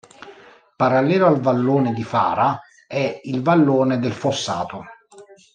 Parallelo al vallone di Fara è il Vallone del Fossato.